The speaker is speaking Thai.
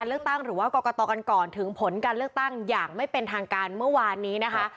เลือกตั้งหรือว่ากรกตกันก่อนถึงผลการเลือกตั้งอย่างไม่เป็นทางการเมื่อวานนี้นะคะ